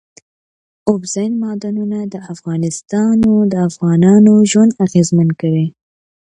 اوبزین معدنونه د افغانانو ژوند اغېزمن کوي.